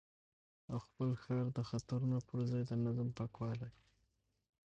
او خپل ښار د خطرونو پر ځای د نظم، پاکوالي